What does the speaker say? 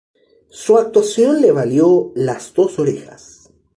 Su actuación le valió las dos orejas.